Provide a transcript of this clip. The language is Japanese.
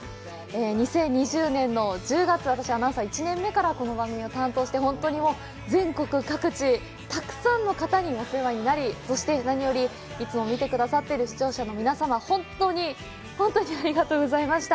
２０２０年の１０月、私、アナウンサー１年目からこの番組を担当して、本当に全国各地、たくさんの方にお世話になり、そして何より、いつも見てくださっている視聴者の皆様、本当に本当にありがとうございました。